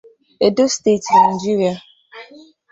Edo Steetị, Naijiria.